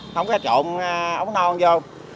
không có trộn ấu non vô